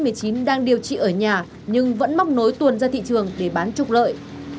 covid một mươi chín đang điều trị ở nhà nhưng vẫn móc nối tuồn ra thị trường để bán trục lợi